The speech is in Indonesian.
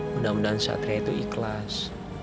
mudah mudahan satria itu ikhlas